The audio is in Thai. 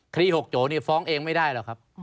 หกโจนี่ฟ้องเองไม่ได้หรอกครับ